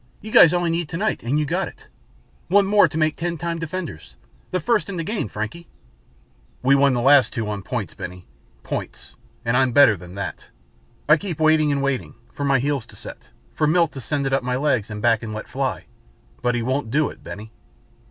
You guys only need tonite and you got it. One more to make Ten Time Defenders the first in the game, Frankie." "We won the last two on points, Benny. Points and I'm better than that. I keep waiting, and waiting, for my heels to set; for Milt to send it up my legs and back and let fly. But he won't do it, Benny."